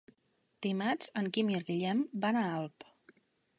Dimarts en Quim i en Guillem van a Alp.